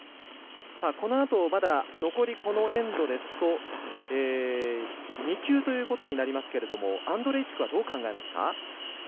このあと、まだ残りこのエンドですと２球ということになりますがアンドレイチクはどう考えますか。